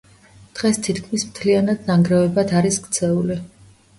დღეს თითქმის მთლიანად ნანგრევებად არის ქცეული.